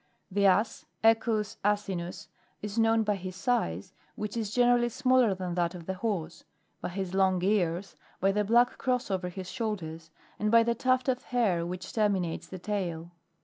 19. The .Ass, Equus rfsinus, is known by his size, which is generally smaller than that of the horse ; by his long ears ; by the black cross over his shoulders, and by the tuft of hair which termi nates the tail.